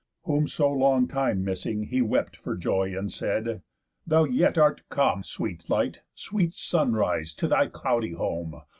Whom so long time missing, He wept for joy, and said: "Thou yet art come, Sweet light, sweet sun rise, to thy cloudy home.